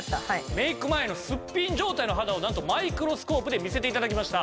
メイク前のすっぴん状態の肌をなんとマイクロスコープで見せて頂きました。